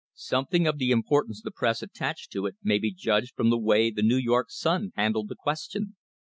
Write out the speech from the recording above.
Something of the importance the press attached to it may be judged from the way the New York Sun handled the question.